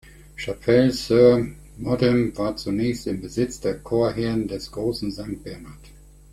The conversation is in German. Chapelle-sur-Moudon war zunächst im Besitz der Chorherren des Grossen Sankt Bernhard.